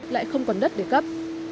lại không còn đất để cấp